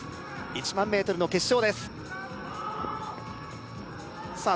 １００００ｍの決勝ですさあ